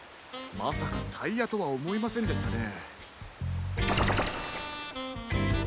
まさかタイヤとはおもいませんでしたね。